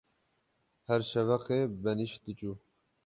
Her şeveqê benîşt dicû.